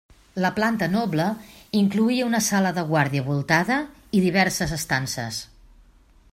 La planta noble incloïa una sala de guàrdia voltada i diverses estances.